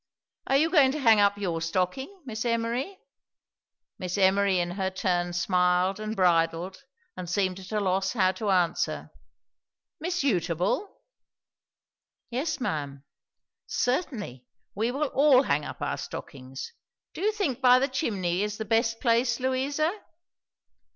"Are you going to hang up your stocking, Miss Emory?" Miss Emory in her turn smiled and bridled, and seemed at a loss how to answer. "Miss Eutable?" "Yes, ma'am." "Certainly. We will all hang up our stockings. Do you think by the chimney is the best place, Louisa?"